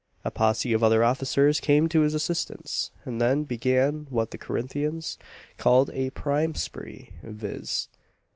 A posse of other officers came to his assistance; and then began what the Corinthians called a prime spree viz.